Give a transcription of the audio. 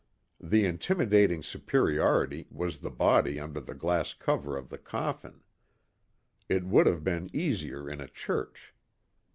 The intimidating superiority was the body under the glass cover of the coffin. It would have been easier in a church.